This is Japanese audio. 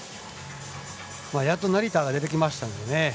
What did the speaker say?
やっと成田が出てきましたね。